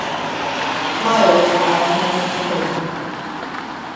Miles, and named for him.